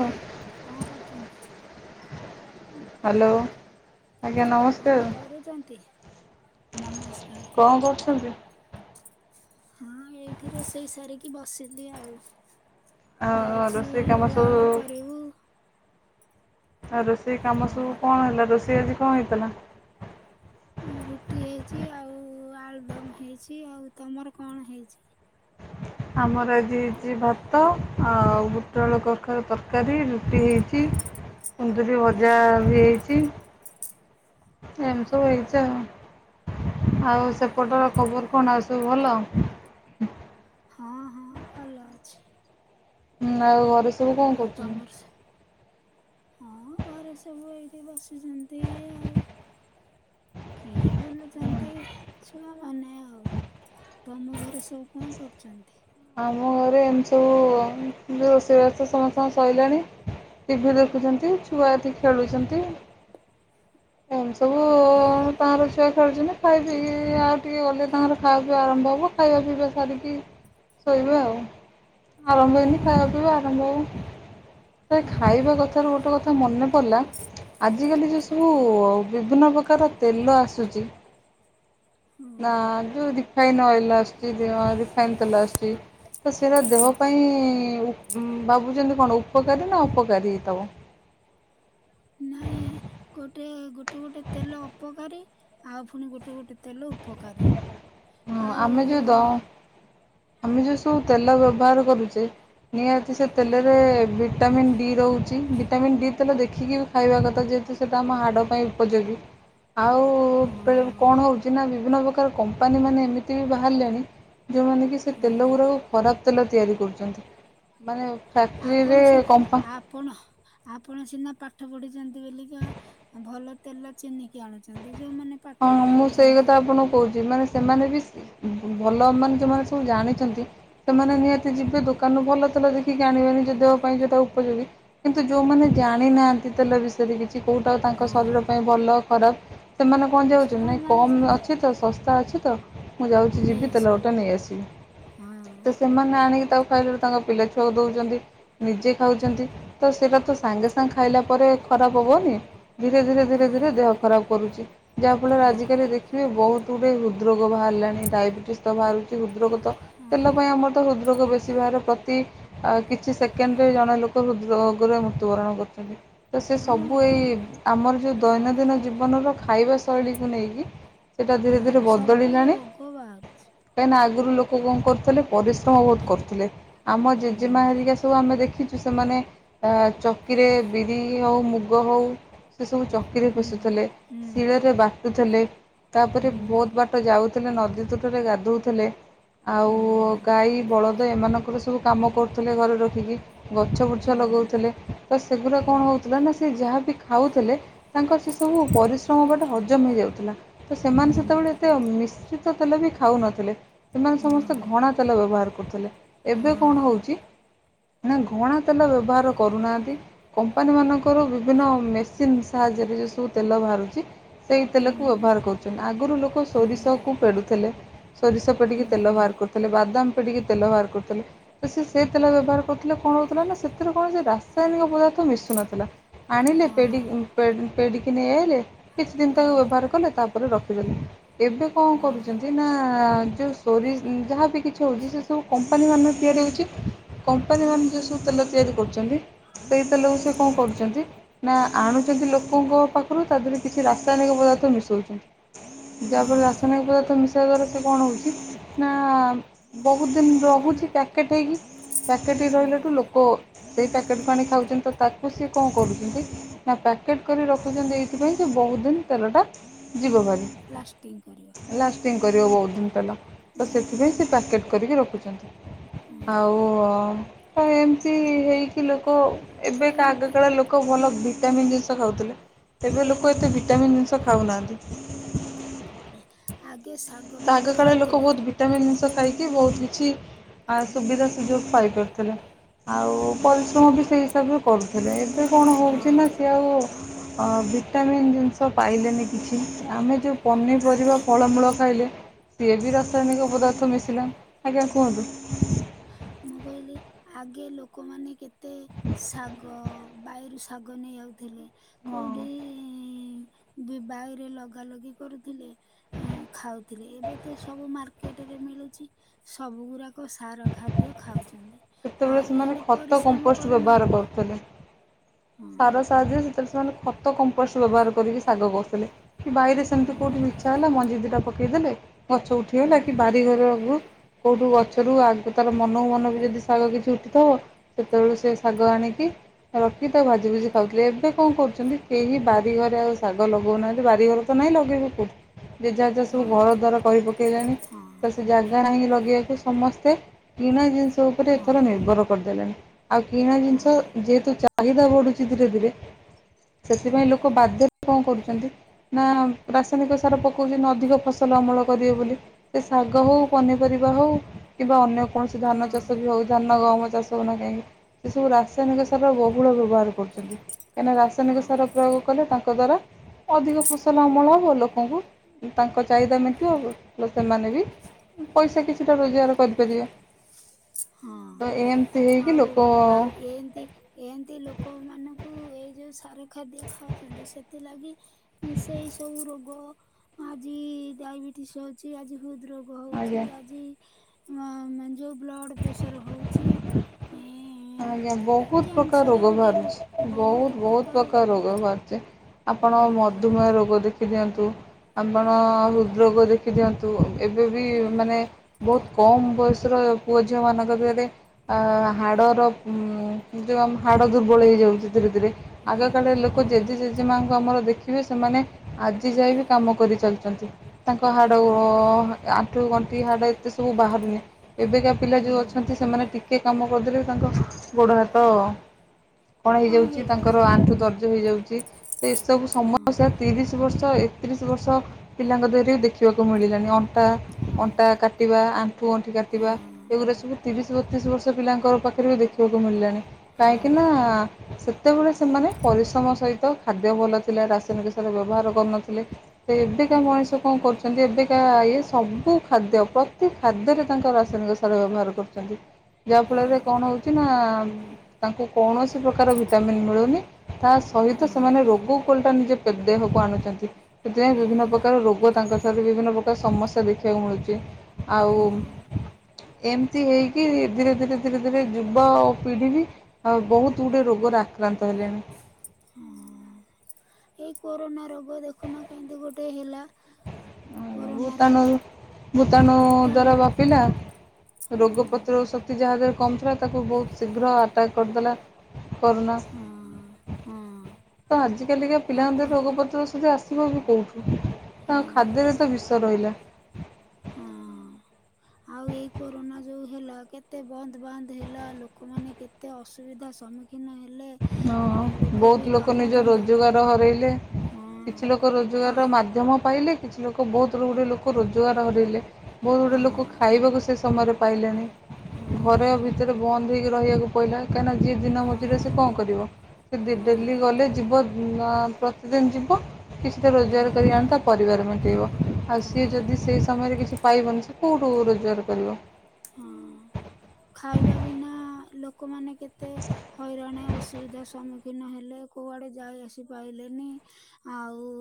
Hello କଣ କରୁଚନ୍ତି? Hello. ଆଜ୍ଞା କଣ ନମସ୍କାର କରୁଛନ୍ତି? ନମସ୍କାର। [inaudible] କଣ କରୁଛନ୍ତି? ହଁ ଏଇଠି ରୋଷେଇ ସାରିକି ବସିଲି ଆଉ। ଆଉ ଯାଉଛି ରୋଷେଇ କାମ ଓଳା ସବୁ ଓଳି କରିବୁ। ଆ ରୋଷେ ସେଇ କାମ ସବୁ ହଁ କଣ ହେଲା ରୋଷେ ସେ ଆଜି କଣ ହେଇଥିଲା। ରୁଟି ହେଇଛି ଆଉ ଆଳୁଦମ ହେଇଛି। ଆଉ ତମର କଣ ହେଇଛି? ଆମର ଆଜି ହେଇଛି ଭାତ ଆଉ ବୁଟ ଆଳୁ କଖାରୁ ତରକାରୀ ରୁଟି ହେଇଛି। କୁନ୍ଦୁରି ଭଜା ହଁ ହଁ ବି ହେଇଛି। ହଁ ଏମିତି ହଁ ହେଇଛି ଆଉ। ଆଉ ହଁ ସେପଟର ଖବର କଣ ଆସୁ ସବୁ ଭଲ। ହଁ ହଁ ଭଲ ଅଛି। ହୁଁ। ଆଉ ଘରେ ସବୁ କଣ ହଁ ତମର ସ କରୁଛନ୍ତି? ହଁ ଘରେ ସବୁ ଏଇଠି ବସିଛନ୍ତି। ଆଉ [inaudible] କିଏ ବୁଲୁଛନ୍ତି ଛୁଆମାନେ ଆଉ ତମ ଘରେ ସବୁ କଣ କରୁଚନ୍ତି। ଆମ ଘରେ ଏମିତି ସବୁ ରୋଷେଇବାସ ସମସ୍ତଙ୍କ ସରିଲାଣି ଟି ଭିି ଦେଖୁଛନ୍ତି। ଛୁଆ ଏଠି ଖେଳୁଛନ୍ତି। ଏମ ସବୁ ଓହୋ। ତାର ଛୁଆ। [inaudible] ଛନ୍ତି ଖାଇ ପିଇି ଆଉ ଟିକେ ଗଲେ ତାଙ୍କର ଖାଇବା ପିଇବା ଆରମ୍ଭ ହବ ଖାଇବା ପିଇବା ସାରିକି ଶୋଇବେ ଆଉ। ଆରମ୍ଭ ହେଇନି ଓହୋ ଖାଇପା ପିଇବା ଆରମ୍ଭ ହେ ସେ ଓହୋ ଖାଇବା କଥାରୁ ଗୋଟେ କଥା ମୋର ମନେ ପଡିଲା ଆଜି କାଲି ଯୋଉସବୁ ବିଭିନ୍ନ ପ୍ରକାର ତେଲ ଆସୁଛି। ହୁଁ ନାନ୍ତୁ ଦି। ରିଫାଇନ୍ ଅଏଲ ଆସୁଛି ଯେ ରିଫାଇନ୍ ତେଲ ଆସୁଛି। ତ ସେରା ଦେହ ହୁଁ ପାଇଁ ଉପ ଉଁ ଭାବୁଛନ୍ତି କଣ ଉପକାରୀ ନା ଉପକାରୀ ହେଇ ତବ ନାଇଁ ଗୋଟେ ଗୋଟେ ଗୋଟେ ତେଲ ଅପକାରୀ ଆଉ ପୁଣି ଗୋଟେ ଗୋଟେ ତେଲ ଉପକାରୀ। ହଁ ଆଉ ଆମେ ଯୋଉ ଦ ଆମେ ଯେଉଁ ସବୁ ତେଲ ବ୍ୟବହାର କରୁଛେ ନିହାତି ସେ ତେଲରେ ଭିଟାମିନ୍ ଡି ରହୁଛି ଭିଟାମିନ୍ ଡି ତେଲ ଦେଖିକି ବି ଖାଇବା କଥା ଯେହେତୁ ସେଇଟା ଆମ ହାଡ଼ ପାଇଁ ଉପଯୋଗୀ। ଆଉ ହଁ ବେଳେ-କଣ ହଉଛି ନା ବିଭିନ୍ନ ପ୍ରକା କମ୍ପାନୀ ମାନେ ଏମିତି ବି ବାହାରିଲେଣି ଯେଉଁ ସେ ହଁ ତେଲଗୁଡ଼ାକ ଖରାପ୍ ତେଲ ତିଆରି କରୁଛନ୍ତି ମାନେ ଫ୍ୟାକ୍ଟ୍ରିରେ ଆପଣ ସି କମ୍ପା ଆପଣ ଆପଣ ସିନା ପା ପାଠ ପଢିଛନ୍ତି ବୋଲିକା ଭଲ ତେଲ ଚିହ୍ନିକି ଆଣୁଛନ୍ତି। ଯେଉଁମାନେ ପାଠ ହଁ ନ ମୁଁ ସେଇ ପଢ଼ିଛନ୍ତି କଥା ଆପଣକୁ କହୁଛି ମାନେ ସେମାନେ ବି ଵ୍-ଭଲ ମାନେ ଯେଉଁମାନେ ସବୁ ଜାଣିଛନ୍ତି ସେମାନେ ନିହାତି ଯିବେ ଦୋକାନରୁ ଭଲ ତେଲ ଦେଖିକି ଆଣିବେ ନିଜ ଦେହ ପାଇଁ ଯୋଉଟା ଉପଯୋଗୀ, କିନ୍ତୁ ଯେଉଁମାନେ ଜାଣିନାହାନ୍ତି ତେଲ ବିଷୟରେ କିଛି କି କଉଟା ତାଙ୍କ ହଁ ଶରୀର ପାଇଁ ଭଲ ଖରାପ ସେମାନେ କଣ ସେ ଯାଉଛ ନାଇଁ କମ୍ ଜାଣିଛନ୍ତି ଅଛି ତ ଶସ୍ତା ଅଛି ତ। ମୁଁ ଯାଉଛି ନେଇ ଯିବି ତେଲ ଆସିବା ଗୋଟାଏ ନେଇ ଆସିବି ହଁ ତ ସେମାନେ ଆଣିକି ତାକୁ ଖାଇଲୋରୁ ତାଙ୍କ ପିଲାଛୁଆକୁ ଦେଉଛନ୍ତି ନିଜେ ଖାଉଛନ୍ତି ତ ସେଇଟା ତ ସାଙ୍ଗେ ସାଙ୍ଗେ ଖାଇଲା ପରେ ଖରାପ ହବନି। ଧୀରେ ଧୀରେ ହଁ ଧୀରେ ଧୀରେ ଦେହ ଖରାପ କରୁଛି। ଯାହା ଫଳରେ ହଁ ଆଜିକାଲି ଦେଖିବେ ବହୁତ୍ ଗୁଡେ ହୃଦ୍ ରୋଗ ବାହାରିଲାଣି ଡାଇବେଟିସ୍ ତ ବାହାରୁଛି ହୃଦ୍ ରୋଗ ତ ତେଲ ହଁ ପାଇଁ ଆମର ତ ହୃଦ୍ ରୋଗ ବେଶୀ ଆସିବାର ପ୍ରତି ଅ କିଛି ସେକେଣ୍ଡରେ ଜଣେ ଲୋକ ହୃଦ୍ ରୋଗରେ ମୃତ୍ୟୁବରଣ କରୁଛନ୍ତି। ତ ସେ ସବୁ ହଁ ଏଇ ଆମର ଯୋଉ ଦୈନନ୍ଦିନ ଜୀବନର ଖାଇବା ଶୈଳୀକୁ ନେଇକି। ସେଇଟା ଧୀରେ ଧୀରେ ହଁ ସବୁ ବଦଳିଲାଣି ରୋଗ ବାହାରୁଛି କାହିଁକି ଆଗରୁ ଲୋକ ଲୋକ କଣ କରୁଥିଲେ ପରିଶ୍ରମ ବହୁତ କରୁଥିଲେ। ଆମ ଜେଜେମା ହେରିକା ସବୁ ଆମେ ଦେଖିଛୁ ସେମାନେ ଅ ଚକିରେ ବିରି ହଉ ମୁଗ ହଉ ସେ ସବୁ ଚକିରେ ପିଷୁଥିଲେ ଶିଳ ଥିଲେ। ତାପରେ ବହୁତ ବାଟ ଯାଉଥି ଥିଲେ ନଦୀ ତଟରେ ଗାଧଉଥିଲେ। ଆଉ ଗାଈ ବଳଦ ତ ଏମାନଙ୍କର ସବୁ କାମ କରୁଥିଲେ ଘରେ ରଖିକି। ଗଛ ବୁର୍ଚ୍ଛ ଲଗଉଥିଲେ ତ ସେଗୁଡା କଣ ହଉଥିଲା ନା ସେ ଯାହା ବିି ଖାଉଥିଲେ ତାଙ୍କର ସେ ସବୁ ପରିଶ୍ରମ ବା ହଜମ ହେଇଯାଉଥିଲା। ତ ସେମାନେ ସେତେବେଳେ ଏତେ ମିଶ୍ ଏତେ ତେଲ ବି ଖାଉନଥିଲେ। ସେମାନେ ସମସ୍ତେ ଘଣା ତେଲ ବ୍ୟବହାର କରୁ କଉଥିଲେ। ଏବେ କଣ ହଉଛି? ନା ଘଣା ତେଲ ବ୍ୟବହାର କରୁନାହାଁନ୍ତି। କମ୍ପାନୀ ମାନଙ୍କର ବିଭିନ୍ନ ମେସିନ ସାହାଯ୍ୟରେ ଯେଉଁ ସବୁ ତେଲ ବାହାରୁଛି। ସେଇ ତେଲକୁ ବ୍ୟବହାର କରୁଛନ୍ତି। ଆଗରୁ ଲୋକ ସୋରିଷକୁ ପେଡ଼ୁଥିଲେ। ସୋରିଷ ପେଡିକି ତେଲ ବାହାର କରୁଥିଲେ। ବାଦାମ ପେଡ଼ିକି ତେଲ ବାହାର କରୁଥିଲେ ତ ସେ ସେ ତେଲ ବ୍ୟବହାର କରୁଥିଲେ କଣ ହେଉଥିଲା ନା ସେଥିରେ କୌଣସି ରାସାଇନିକ ପଦାର୍ଥ ମିଶୁନଥିଲା। ଆଣିଲେ ପେଡ଼ି ପେ ପେଡ଼ିକି ନେଇ ଆଇଲେ। କିଛି ଦିନ ତାକୁ ବ୍ୟବହାର କଲେ ତାପରେ ରଖ ସେ। ଏବେ କଣ କରୁଛନ୍ତି ନା ଯେଉଁ ସୋରି ଯାହାବି କିଛି ହେଉଛି ସେ ସବୁ କମ୍ପାନୀ ମାନ ତିଆରି ହେଉଛି କମ୍ପାନୀ ମାନ ଯେଉଁ ସବୁ ତେଲ ତିଆରି କରୁଛନ୍ତି। ସେଇତେଲକୁ ସେ କଣ କରୁଛନ୍ତି? ନା ଆଣୁଛନ୍ତି ଲୋକଙ୍କ ପାଖରୁ ତା ଦେହରେ କିଛି ରାସାଇନିକ ପଦାର୍ଥ ମିଶଉଛନ୍ତି। ଯା ପରେ ରାସାୟନିକ ପଦାର୍ଥ ମି ଦଵାର ସେ କଣ ହଉଛି ନା ବହୁତ ଦିନ ରହୁଛି ପ୍ୟାକେଟ୍ ହେଇକି। ପ୍ୟାକେଟ ହେଇ ହଁ ରହିଲାଠୁ ଲୋକ ସେଇ ପ୍ୟାକେଟ୍ କୁ ଆଣି ଖାଉଛନ୍ତି ତ ତାକୁ ସିଏ କଣ କରୁଛନ୍ତି ନା ପ୍ୟାକେଟ୍ କରି ରଖୁଛନ୍ତି ଏଇଥିପାଇଁ ସେ ବହୁତ ଦିନ ତେଲଟା ଯିବ ଭାରି। ଲାଷ୍ଟିଂ କରିଅ। ଲାଷ୍ଟିଂ କରିବ ବହୁତ ଦିନ ତେଲ। ତ ସେଥିପାଇଁ ସେ ପ୍ୟାକେଟ କରିକି ରଖୁଛନ୍ତି। ହୁଁ ଆଉ ଅ। ଆଉ ଏମିତି ହେଇକି ଲୋକ ଏବେକା ଏମିତି ଆଗକାଳ ଲୋକ ଭଲ ଭିଟାମିନ୍ ଖାଉଥିଲେ ଏବେ ଲୋକ କ ଏତେ ଭିଟାମିନ୍ ଜିନିଷ ଖାଉନାହାନ୍ତି। [unintelligible] ଆ ତ ଆଗକାଳେ ଲୋକ ବହୁତ ଭିଟାମିନ ଖାଇକି ବହୁତ କିଛି ସୁବିଧା ସୁଯୋଗ ପାଇପାରୁଥିଲେ। ଆଉ ହୁଁ ପରିଶ୍ରମ ବି ସେହି ହିସାବରେ କରୁଛି ଘରେ। ସେ କଣ ହଁ ହଉଛି ସେ ଆଉ ଅ ଭିଟାମିନ୍ ଜିନିଷ ପାଇଲେନି କିଛି ଆମେ ଯେଉ ପନିପରିବା ଆଗେ ଫଳମୂଳ ଖାଇଲେ। ସିଏ ବି ରାସାୟନିକ ପଦାର୍ଥ ମିଶିଲା ଆଜ୍ଞା କୁହନ୍ତୁ। ମୁଁ କହିଲି ଆଗେ ଲୋକମାନେ କେତେ ଶାଗ ବାୟୁରୁ ଶାଗ ନେଇ ଆଉଥିଲେ ହଁ। କୋଉଠି ବି ବାହାରେ ଲଗା ଲଗି କରୁଥିଲେ ଏ ଖାଉଥିଲେ ଏବେ ତ ସବୁ ମାର୍କେଟ ରେ ମିଳୁଛି ସବୁ ଗୁଡାକ ସାର ଖାଦ୍ୟ ଖାଉଛି। ସେତେବେଳେ ସେମାନେ ଖତ କମ୍ପୋଷ୍ଟ କରୁନା ବ୍ୟବହାର କରୁଥିଲେ। ହଁ ସାରା ସାହାଯ୍ୟରେ ସେତେବେଳେ ସେମାନେ ଖତ କମ୍ପୋଷ୍ଟ ବ୍ୟବହାର କରିକି ଶାଗ କରୁଥିଲେ। କି ବାଇରେ ସେମିତି ହଁ କଉଠି ଇଚ୍ଛା ହେଲା ମଞ୍ଜି ଦୁଇଟା ପକେଇଦଲେ। ଗଛ ଉଠିଗଲା କି ହୁଁ ବାରିଘର କୁ କୋଉଠୁ ଗଛରୁ ଆଗ ତାର ମନ ମନକୁ ବି ଯଦି ଶାଗ କିଛି ଉଠିଥିବ। ସେତେବେଳଳେ ସେ ଶାଗ ଆଣିକି ରଖି ତ ଭାଜି ଭୁଜି ଖାଉଥିଲେ। ଏବେ କଣ କରୁଚନ୍ତି କେହି ବାରିଘରେ ଆଉ ଶାଗ ଲଗଉନାହାନ୍ତି। ବାରିଘରେ ତ ନାହିଁ ଲଗେଇବେ କୋଉଠୁ। ଯେ ଯାହା ଯାହା ସବୁ ଘର ଦ୍ୱାର ହଁ କରି ପକେଇଲାଣି। ତ ସେ ଜାଗା ନାହିଁ ଲ ଯେ ଆକୁ ସମସ୍ତେ କିଣା ଜିନଷ ସେ ଉପରେ ହଁ ଏଥର ନିର୍ଭର କରିଦେଲେଣି। ଆଉ କିଣା ହଁ ଜିନିଷ ଯେହେତୁ ଚା ଚାହିଦା ବଢୁଛି ଧୀରେଧୀରେ। ହଁ ସେଥିପାଇଁ ଲୋକ ବାଧ୍ୟ କଣ କରୁଚନ୍ତି ନା ରାସାୟନିକ ସାର ପକଉଟନ୍ତି। ଅଧିକ ଫସଲ ଅମଳ କରିବେ ବୋଲି। ସେ ଶାଗ ହଉ ପନିପରିବା ହଉ କିମ୍ବା ଅନ୍ୟ କୌଣସି ଧାନ ହଁ ଚାଷ ବି ହଉ ଧାନ ଗହମ ଚାଷ ହୋଉ ନା କାହିଁକି ସେ ସବୁ ରାସାୟନିକ ସାର ବ ହୁଳ ବ୍ୟବହାର କରୁଚନ୍ତି। କାହିଁକି ହଁ ହଁ ରାସନିକ ସାର ପ୍ରୟୋଗ କଲେ ତା ତା ଦ୍ଵାରା ଅଧିକ ଫସଲ ଅମଳ ହବ। ଲୋକଙ୍କୁ ତାଙ୍କ ଚାହିଦା ମେଣ୍ଟିବ। ଲୋକମାନେ ବି ପଇସା କିଛିଟା ରୋଜଗାର କରିପାରିବେ। ହଁ ତ ଏମିତି ହେଇକି ଆଉ ଲୋକ ଆଉ ଏମତି ଏମତି ଲୋ କ ମାନଙ୍କୁ ଏଇ ଯୋ ଯୋଉ ସାର ଖାଦ୍ୟ ଖାଉଚନ୍ତି ସେଥିଲାଗି ଇଁ, ସେଇ ସବୁ ରୋଗ ଆଜି ଡାଇବେଟିସ ହଉଚି। ଆଜି ହୃଦ ରୋ ଗ ଆଜ୍ଞା ହଉଚି। ଆଜି ମ ମାନେ ଯୋଉ ବ୍ଲୋ ପ୍ରେସର ହଉଛି। ଏଁ, ଆଜ୍ଞା ବହୁତ ପ୍ରକାର ରୋଗ ଗୋଟେ ବାହାରୁଛି। ବହୁତ ବହୁତ ପ୍ରକାର ରୋଗ ବାହାରୁଚି। ଆପଣ ହଁ ମଧୁମେହ ରୋଗ ଦେ ଦିଅନ୍ତୁ। ଆପଣ ହୃଦ ହଁ ରୋଗ ଦେ ଦିଅନ୍ତୁ, ଆଉ ଏବେ ବି ମାନେ ବହୁତ କମ୍ ବୟସର ପୁଅ ଝିଅମାନଙ୍କ ଦେହରେ ଅ, ହାଡ଼ର ଅଁ, ଯୋଉ ଆମ ହାଡ଼ ଦୁର୍ବଳ ହଁ ହେଇଯାଉଚି ଧୀରେ ଧୀରେ। ହଁ ଆଗକାଳରେ ଲୋକ ହଁ ହଁ ଜେଜେ ଜେଜେ ମାଙ୍କୁ ଆମର ଦେଖିବେ ସେମାନେ ଆଜି ଯାଏ ବି କାମ କରିଚାଲିଚନ୍ତି। ତାଙ୍କ ହାଡ଼ ଗୋ ହଁ ହେ ଏ ଆ ଆଣ୍ଠୁ ଗଣ୍ଠି ହାଡ଼ ଏତେ ସବୁ ବାହାରୁନି। ଏବେକା ପିଲା ଯୋଉ ହଁ ଅଛନ୍ତି ସେମାନେ ଟିକିଏ କାମ ବଦଲେ ତାଙ୍କ ଗୋଡ ହାତ କଣ ହେଇଯାଉଚି ତାଙ୍କର ଆଣ୍ଠୁ ଦର୍ ହେଇଯାଉଛି। ତ ଏସବୁ ହଁ ସମସ୍ୟା ତିରିଶ ଶ ବର୍ଷ ଏକତିରିଶ ବର୍ଷ ପିଲାଙ୍କ ଦେହରେ ଦେଖିବାକୁ ମିଳିଲା। ହଁ ଅଣ୍ଟା କାଟିବା ଆଣ୍ଠୁ କାଟଥିବା ହଁ ଏଗୁା ସବୁ ତିରିଶ ବତିଶ ବର୍ଷ ପିଲାଙ୍କ ପାଖରେ ବି ଦେଖିବି ଯୋଗମଲେ କାହିଁକି ନା ଯେତେବେଳେ ସେମାନେ ପରିଶ୍ରମ ସହିତ ଖାଦ୍ୟ ଭଲ ଥିଲା ରାସାୟନିକ ସାର ବ୍ୟବହାର କରୁନଥିଲେ। ତ ଏବେକାମଣିଷ କଣ କରୁଛନ୍ତି ଏବେ ଏବେକ ସବୁ ଖାଦ୍ୟ ପ୍ରତିେକ ଖାଦ୍ୟରେ ତାଙ୍କ ରାସାୟନିକ ସାର ବ୍ୟବହାର କରୁଛନ୍ତି। ଯାହା ଫଳରେ କଣ ହଉଛି ତାଙ୍କୁ କୌଣସି ପ୍ରକାର ଭିଟାମନ୍ ମିଳୁନି ତା ସହିତ ସେମାନେ ରୋଗ କୁ ଓଲୋଟ ନିଜେ ଦେହକୁ ଆଣୁଛନ୍ତି। ସେଥିପାଇଁ ବିଭିନ୍ନ ପ୍ରକାର ରୋଗ ତାଙ୍କ ତା ରେ ବିଭିନ୍ନ ପ୍ରକାର ସମସ୍ୟା ଦେଖିବାକୁ ମିଳୁଛି। ଆଉ ଏମିତି ହେଇକି ଧୀରେ ଧୀରେ ଧୀରେ ଧୀରେ ଯୁବ ପିଢ଼ି ବି ବହୁତ ଗୁଡ଼ିଏ ରୋଗରେ ଆକ୍ରାନ୍ତ ହେଲେଣି। ହଁ ଏଇ କୋରୋନା ରୋଗ ଦେଖୁନ କେମତି ଗୋଟେ ହେଲା। ଆ୍ଞ କୋରୋନା ରୋଗ ଭୂତାଣୁ ଭୂତାଣୁ ଦ୍ୱାରା ଭୂତାଣୁରୁ ବାପିଲା ହଁ ରୋଗପତ୍ର ସକ୍ତି ଯାହାହାର। କମଥିଲା ତାକୁ ବହୁତ ଶୀଘ୍ର ଆଟାକ୍ କରିଦେଲା। କରୋନା। ହଁ ହଁ ତ ଆଜି କାଲିିକ ପିଲା ଆଉ ଙ୍କ କୋ ଦେହରେ ରୋଗ ପତିରୋ ଆସିବ ବି କୋଉଠୁ ହଁ ତାଙ୍କ ଖାଦ୍ୟରେ ତ ବିଷ ରହିଲା। ହଁ ଆଉ ଏଇ କୋରୋନା ଯୋଉ ହେଲା କେତେ ବନ୍ଦ ବାନ୍ଦ ହେଲା ଲୋକମାନେ କେତେ ଅସୁବିଧା ସମ୍ମୁଖୀନ ହେଲେ। ହଁ ଏ, ଲୋକ ବି ବହୁତ ଲୋକ କାମ ନିଜ ଧନ୍ଦା ରୋଜଗାର ହରାଇଲେ ହଁ କିଛି ଲୋକ କା ରୋଜଗାର ମାଧ୍ୟମ ପାଇଲେ କିଛି ଲୋକ ବହୁତ ଗୁଡ଼ିଏ ଲୋକ ରୋଜଗାର ହରାଇଲେ। ବହୁତ ଗୁଡେ ହଁ ଲୋକ ଖାଇବାକୁ ସେ ସମୟରେ ପାଇଲେଣି। ହଁ ଘରେ ଭିତରେ ବନ୍ଦ ବିକି ରହିବାକୁ ପଡ଼ିଲା। କାହିଁକି ଯି ଦିନ ହଁ ମଜୁରିଆ ସେ କ ସେ ହଁ ଡେଲି ଗଲେ ଯିବ ନା ପ୍ରତିଦିନ ଯିବ କିଛି ତ ରୋଜଗାର ହଁ କରି ଆଣନ୍ତା ପରିବାର ପାଇଁ। [unintelligible] ଆଉ ସିଏ ହଁ ଯଦି ସେଇ ସମୟରେ କିଛି ପାଇବନି ସେ କୋଉଠୁ ରୋଜଗାର କରିବ। ହଁ ଖାଇବା ବିନା ଲୋକମାନେ କେତେ ହଇରାଣ ଅସୁବିଧା ସମ୍ମୁଖୀନ ହେଲେ କୋଉଆଡେ ଯାଇ ଆସିପାରଲେନି ଆଉ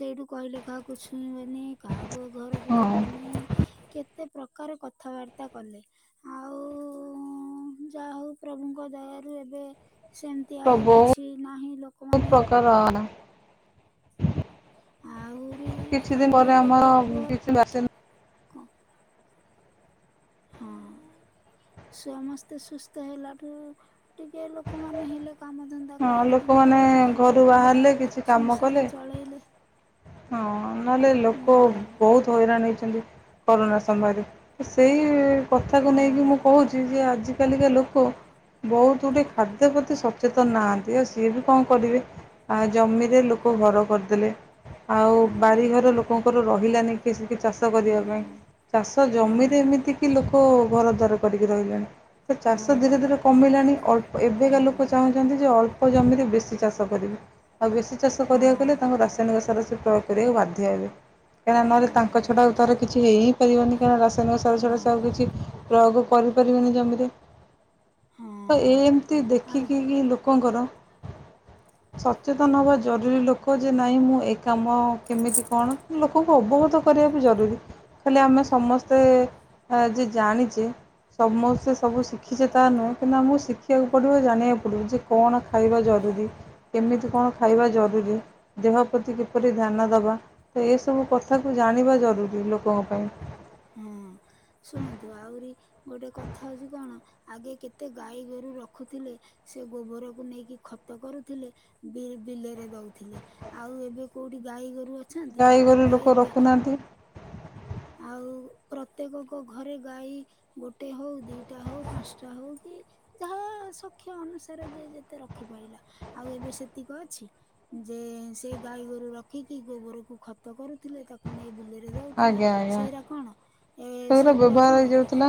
ସେଇଠୁ କହିଲେ କାହାକୁ ଛୁଇଁବେନି କାହାକୁ ଆଗ ଘରକୁ ହଁ। ଯିବନି କେତ କେତେ ପ୍ରକାର କଥା କଥାବାର୍ତ୍ତା କଲେ ଆଉ ଯାହା ହଉ ପ୍ରଭୁଙ୍କ ଦୟାରୁ ଏବେ ସେମିତି ତ ଆଉ ବହୁତ କିଛି ନାହିଁ ଲୋକମାନେ ପ୍ରକାର ଆହୁରି କିଛି ଦିନ ଆହୁରି ପରେ ଏବେ ଆମର କିଏ କୁହ କିଛି ବାସିନ କ [inaudible] ହଁ ସମସ୍ତେ ସୁସ୍ଥ ହେଲାଠୁ ଟିକେ ଲୋକମାନେ ହେଲେ କାମଧନ୍ଦା ହଁ କରିକିନା ଲୋକମାନେ କୋଉଠି ତାଙ୍କ ଘରୁ ପିଲା ବାହାରିଲେ କିଛି କାମ ସଂସାର କଲେ ଚଳେଇଲେ ହଁ ନହେଲେ ହୁଁ ଲୋକ ବହୁତ ହଇରାଣ ହେ। କରୋନା ସମୟରେ ତ ସେଇ କଥାକୁ ନେଇକି ହଁ ମୁଁ କହୁଛି ଯେ ଆଜି ଆଜି କାଲିକା ଲୋକ ବହୁତ ଗୁଡେ ଖାଦ୍ୟ ପ୍ରତି ସଚେତନ ତ ନାହାନ୍ତି ଆଉ ସିଏ ବି କଣ କରିବେ ଆ ଜମିରେ ଲୋକ ଘର କରିଦେଲେ ଆଉ ହଁ ବାରିଘରେ ଲୋକଙ୍କର ରହିଲାନି କିଛି କି ଚାଷ କରିବା ପାଇଁ ହଁ ଚାଷ ଜମିରେ ଏମିତିକି ଲୋକ ଘର ଦ୍ୱାର କରିକି ରହିଲେଣି ସେ ହଁ ଚାଷ ଧୀରେ ଧୀରେ କମିଲାଣି ଅଳ୍ପ ହଁ ଏବେକା ଲୋକ ଚାହୁଁ ଯେ ଅଳ୍ପ ଜମିରେ ବେଶୀ ଚାଷ କରିବେ। ଆଉ ବେଶୀ ଚାଷ ହଁ କରିବାକୁ ହେଲେ ତାଙ୍କୁ ରାସାୟନିକ ସାର ସବୁ ପ୍ରୟୋଗ କରିବାକୁ ବାଧ୍ୟ ହେବେ। କାରଣ ହଁ ନହେଲେ ତାଙ୍କ ହଁ ଛଡ଼ା ଆଉ ତାର କିଛି ହେଇଁ ହି ପାରିବନି ତାଙ୍କ ରାସ ତମର ସବୁ ସବୁ ହଁ ସରୁଚି ପ୍ରୟୋଗ କରିପାରିବେନି ଜମିରେ ତ ଏ ହଁ ଏମିତି ଆଉ ଦେଖିକି ଲୋକଙ୍କର ସଚେତନ ହେବା ଜରୁରୀ ଲୋକ ଯେ ନାଇଁ ମୁଁ ଏ କାମ କେମିତି କଣ ଲୋକଙ୍କୁ ଅବଗତ କରିବା ବି ଜରୁରୀ ଖାଲି ଆମେ ସମସ୍ତେ ଯେ ଜାଣିଚେ ସମସ୍ତେ ସବୁ ଶିଖିଛେ ତା ନୁହେଁ କିନ୍ତୁ ଆମକୁ ଶିଖିବାକୁ ପଡ଼ିବ ଜାଣିବାକୁ ଯେ କଣ ଖାଇବା ଜରୁରୀ କେମିତି କଣ ଖାଇବା ଜରୁରୀ ଦେହ ପ୍ରତି କିପରି ଧ୍ୟାନ ଦେବା ଏ ସବୁ କଥା ତାକୁ ଜାଣିବା ଜରୁରୀ ଲୋକଙ୍କ ହଁ ପାଇଁ ଶୁଣନ୍ତୁ ଆହୁରି ଗୋଟେ କଥା ହଉଚି କଣ ଆଗେ କେତେ ଗାଈ ଗୋରୁ ରଖୁଥିଲେ ସେ ଗୋବରକୁ ନେଇକି ଖତ କରୁଥିଲେ ବି ବିଲରେ ଦଉଥିଲେ ଆଉ ଏବେ କୋଉଠି ଗାଈ ଗୋରୁ ଅ ଗାଈ ଗୋରୁ ଲୋକ ର ଖୁ ନାହାନ୍ତି ଉ ପ୍ରତ୍ୟେକଙ୍କ ଘରେ ଗାଈ ଗୋଟ ଗୋଟେ ହଉ ଦିଟା ହଉ ପାନ୍ସଟା ହଉ କି ଯାହା ସକ୍ଷ ଅନୁସାରେ ଯେ ଯେତେ ରଖିପାଇଲା ଆଉ ଏବେ ସେତିକ ଅଛି ଯେ ସେ ଗାଈ ଗୋରୁ ରଖିକି ଗୋବରକୁ ଖତ କରୁଥିଲେ ତାକୁ ନେଇ ବିଲେରେ ଦେଇ ଦଉଥିଲେ ଜ୍ଞା ସେଇରା କଣ ଏ ସବୁରେ ସେଗୁରା ବ୍ୟବହାର ହୋଇ କଣ ଯାଉଥିଲା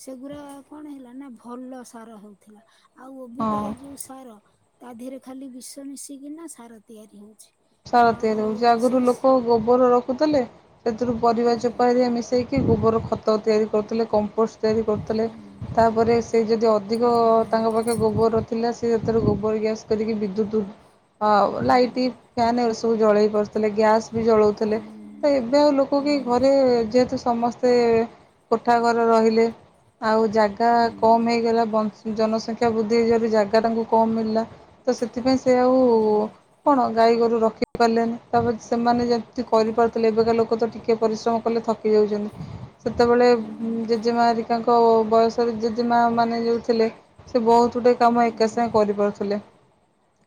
ସେଗୁରା କଣ ହେଲା ନା ଭଲ ସାର ହଉଥିଲା ଆଉ ହଁ ଓବିକା ଏଇ ଯୋଉ ସାର ତା ଦିହରେ ଖାଲି ବିଷ ମିଶିକିନା ସାର ତିଆରି ହଉଛି। ସାର ଆଉ ତିଆରୀ ହଉଚି ଆଗରୁ ସେ ଲୋକ ଗୋବର ରଖୁଥିଲେ ସେଥିରୁ ପରିବା ହୁଁ ଚୋପାରେ ମିଶେଇକି ଗୋବର ଖତ ତିଆରି କରୁଥିଲେ କମ୍ପୋଷ୍ଟ ତିଆରି କରୁଥିଲେ ହୁଁ ତାପରେ ସେ ଯଦି ଅଧିକ ହୁଁ ତାଙ୍କ ପାଖେ ଗୋବର ଥିଲା ସେ ହେଥିରୁ ଗୋବର ଗ୍ୟାସ୍ କରିକି ବିଦ୍ୟୁତ ଅ ହୁଁ ଲାଇଟି ସବୁ ଜଳେଇ ପାରୁଥିଲେ ଗ୍ୟାସ୍ ବି ଜଳାଉଥିଲେ ହୁଁ ତ ଏବେ ଆଉ ଲୋକ କେଇ ହୁଁ ଘରେ ଯେହେତୁ ସମସ୍ତେ କୋଠା ଘରେ ରହିଲେ ଆଉ ଜାଗା ହୁଁ କମ୍ ହେଇଗଲା ବଂଶ ଜନସଂଖ୍ୟା ବୃଦ୍ଧି ହେଯାରୁ ଜାଗା ତାାଙ୍କୁ କମ୍ ମିଳିଲା ତ ସେ ସେଥିପାଇଁ ସେ ଆଉ ହୁଁ ହୁଁ କଣ ଗାଈଗୋରୁ ରଖିପାରିଲନି ତାପରେ ସେମାନେ ଯଦି କେତେ କରିପାରୁଥିଲେ ଏବେକା ଲୋକ ତ ଟିକେ ଟିକେ ପରିଶ୍ରମ କଲେ ଥକି ଯାଉଛନ୍ତି। ସେତେବେଳେ ହୁଁ ଜେଜେମାର ତାଙ୍କ ବୟସରେ ଜଜେମାମାନେ ଯେଉଁ ଥିଲେ ସେ ବହୁତ ଗୋଟେ କାମ ହୁଁ ଏକା ସାଙ୍ଗେ କରିପାରୁଥିଲେ।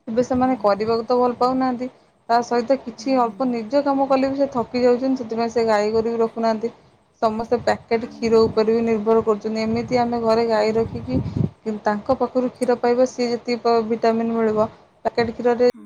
ଏବେ ହୁଁ ସେମାନେ କରିବାକୁ ହୁଁ ତ ଭଲ ନାହାନ୍ତି ତା ସହିତ କିଛି ଅଳ୍ପ ନିର୍ଜ କାମ ବୋଲି ସେଥକି ଯାଉଛନ୍ତି ସେଥିପାଇଁ ସେ ଗାଈଗୋରୁ ବି ରଖୁନାହାନ୍ତି ସମସ୍ତେ ସେ ପ୍ୟାକେଟ୍ କ୍ଷୀର ହୁଁ ଉପରେ ବି ନିର୍ଭର କରୁଛି। ଦିନେ ଏମିତି ଯଦି ଆମେ ଘରେ ହୁଁ ଗାଈ ରଖିକି କିନ୍ତୁ ତାଙ୍କ ପାଖରୁ କ୍ଷୀର ପାଇବ ସିଏ ଯେତିକି ପା ଭିଟାମିନ୍ ମିଳିବ ପ୍ୟାକେଟ୍ କ୍ଷୀରରେ ହଁ